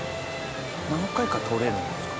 何回か取れるんですかね？